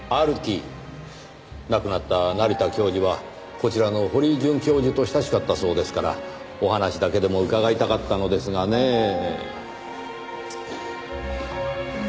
亡くなった成田教授はこちらの堀井准教授と親しかったそうですからお話だけでも伺いたかったのですがねぇ。